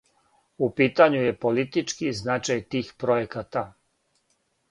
У питању је политички значај тих пројеката.